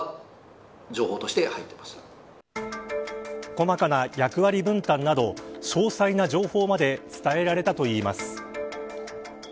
細かな役割分担など詳細な情報まで伝えられたといいます。